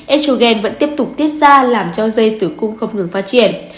en vẫn tiếp tục tiết ra làm cho dây tử cung không ngừng phát triển